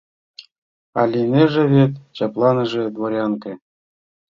А лийнеже вет чапланыше дворянке».